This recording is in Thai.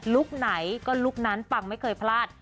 คไหนก็ลุคนั้นปังไม่เคยพลาด